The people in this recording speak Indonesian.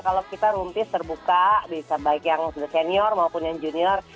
kalau kita room peace terbuka bisa baik yang senior maupun yang junior